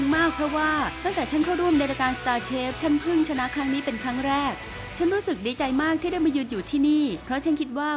มา๑เก้าทำไมฉันถึงไม่ได้เก้าออกมาข้างหน้าทุกคนพร้อมนะ